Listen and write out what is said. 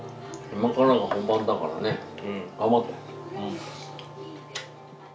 今からが本番だからね、頑張って。